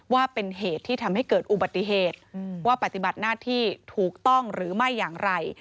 ว่าเป็นเหตุที่ทำให้เกิดอุบัติเหตุว่าปฏิบัติหน้าที่ถูกต้องหรือไม่อย่างไร